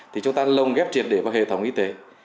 thì chúng ta lồng ghép triệt để vào hệ thống y tế